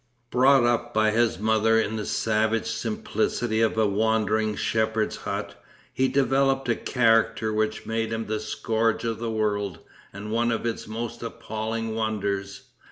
Brought up by his mother in the savage simplicity of a wandering shepherd's hut, he developed a character which made him the scourge of the world, and one of its most appalling wonders.